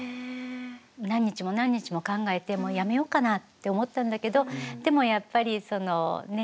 何日も何日も考えてもうやめようかなって思ったんだけどでもやっぱりそのねっ